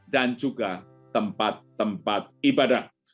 dan juga tempat tempat ibadah